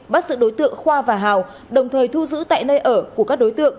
bắt sự đối tượng khoa và hào đồng thời thu giữ tại nơi ở của các đối tượng